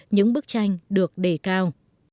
những bức tranh được đề cao